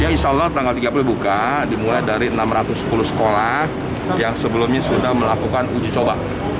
ya insya allah tanggal tiga puluh buka dimulai dari enam ratus sepuluh sekolah yang sebelumnya sudah melakukan uji coba